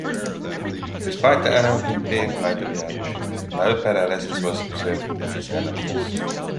Despite the array of impaired motor behavior, no paralysis was observed in these animals.